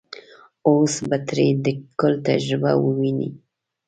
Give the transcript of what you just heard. اوس به ترې د ګل تجربه وويني.